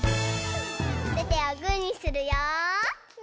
おててをグーにするよ。